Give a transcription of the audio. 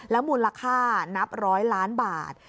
มูลค่านับร้อยล้านบาท